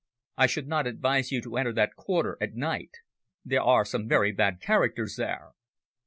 I should not advise you to enter that quarter at night. There are some very bad characters there."